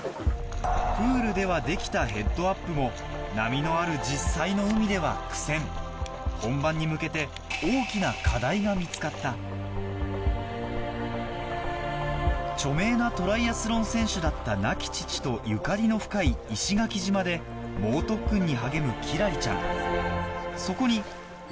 プールではできたヘッドアップも波のある実際の海では苦戦本番に向けてが見つかった著名なトライアスロン選手だった亡き父とゆかりの深い石垣島で猛特訓に励む輝星ちゃん